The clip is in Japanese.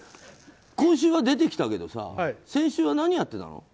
今週から出てきたけどさ先週は何やっていたの？